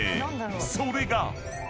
［それが］